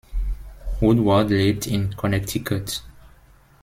Woodward lebt in Connecticut.